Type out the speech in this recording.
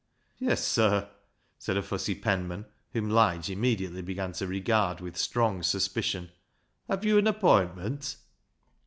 "Yes, sir," said a fussy penman, whom Lige immediately began to regard with strong suspicion. " Have you an appointment?